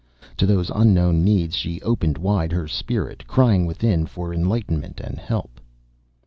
To those unknown needs she opened wide her spirit, crying within for enlightenment and help.